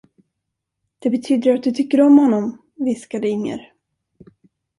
Det betyder att du tycker om honom, viskade Inger.